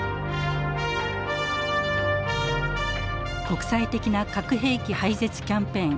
国際的な核兵器廃絶キャンペーン